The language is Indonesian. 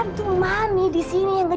rusenya maunya benignan